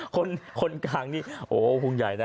คนกลางนี่โอ้โหห่วงใหญ่นะ